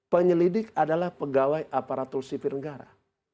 penyelidik adalah pegawai aparatur sipil negara